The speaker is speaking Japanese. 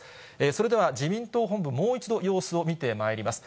それでは自民党本部、もう一度、様子を見てまいります。